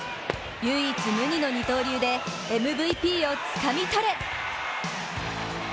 唯一無二の二刀流でＭＶＰをつかみ取れ！